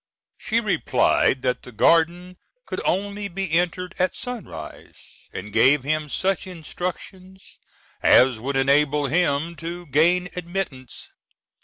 She replied that the garden could only be entered at sunrise and gave him such instructions as would enable him to gain admittance.